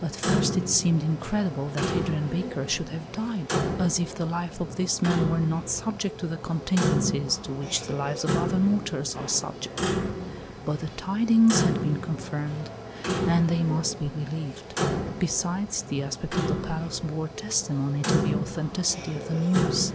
At first it seemed incredible that Adrian Baker should have died, as if the life of this man were not subject to the contingencies to which the lives of other mortals are subject. But the tidings had been confirmed and they must be believed. Besides, the aspect of the palace bore testimony to the authenticity of the news.